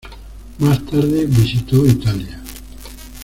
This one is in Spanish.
Más tarde visitó Italia.